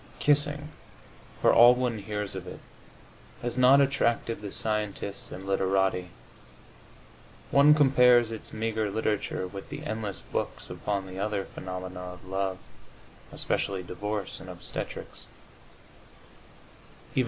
Kissing, for all one hears of it, has not attracted the scientists and literati; one compares its meagre literature with the endless books upon the other phenomena of love, especially divorce and obstetrics.